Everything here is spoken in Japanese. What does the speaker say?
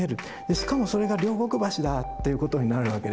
しかもそれが両国橋だっていうことになるわけですよね。